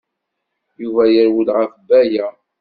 Yuba yerwel ɣef Baya.